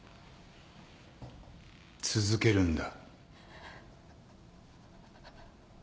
続けるんだ。